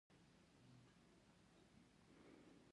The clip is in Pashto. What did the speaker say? هر ټاپو خپل منفرد ایکوسیستم درلود.